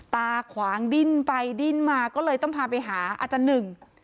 ตาขวางดิ้นไปดิ้นมาก็เลยต้องพาไปหาอาจารย์หนึ่ง